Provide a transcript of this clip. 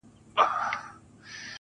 څو مست لفظونه ستا له غزلزاره راوتلي~